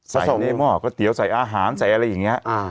ใส่ในหม้อก๋วยเตี๋ยวใส่อาหารใส่อะไรอย่างนี้